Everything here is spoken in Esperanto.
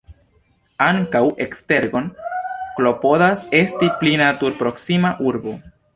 Ankaŭ Esztergom klopodas esti pli natur-proksima urbo.